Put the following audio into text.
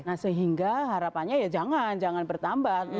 nah sehingga harapannya ya jangan jangan bertambah